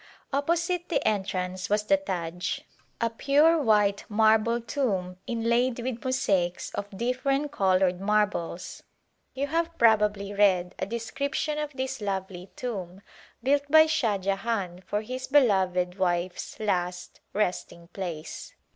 Opposite the entrance was the Taj, a pure white mar ^^ General Work ble tomb inlaid with mosaics of different colored mar bles. You have probably read a description of this lovely tomb built by Shah Jahan for his beloved w^ife's last resting place.